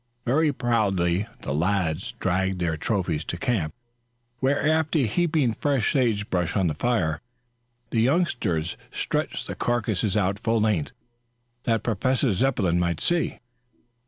Very proudly the lads dragged their trophies to camp, where, after heaping fresh sage brush on the fire, the youngsters stretched the carcasses out full length that Professor Zepplin might see.